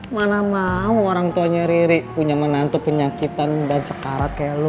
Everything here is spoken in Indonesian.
mana mau orang tuanya riri punya menantu penyakitan dan sekarang kayak lu